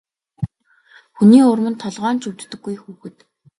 Хүний урманд толгой нь ч өвддөггүй хүүхэд.